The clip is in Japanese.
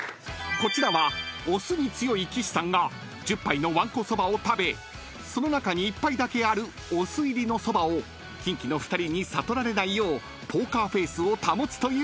［こちらはお酢に強い岸さんが１０杯のわんこそばを食べその中に１杯だけあるお酢入りのそばをキンキの２人に悟られないようポーカーフェースを保つというチャレンジ］